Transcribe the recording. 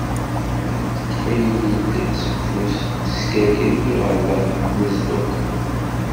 Teṭṭef-iyi-d seg ufus, teskerker-iyi ɣer daxel n tnezduɣt.